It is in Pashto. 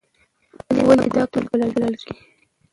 ولې دا ګټور بلل کېږي؟